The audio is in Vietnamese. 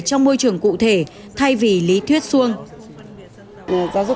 trong môi trường cụ thể thay vì lý thuyết xuông